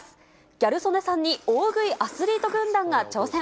ギャル曽根さんに大食いアスリート軍団が挑戦。